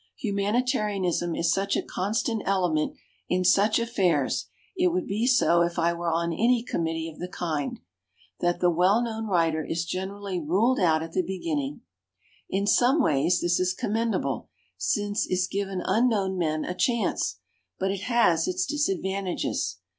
Hu manitarianism is such a constant ele ment in such affairs — it would be so if I were on any committee of the kind — ^that the well known writer is gen erally ruled out at the beginning. In some ways this is commendable, since is fifives unknown men a chance, but it has its disadvantages.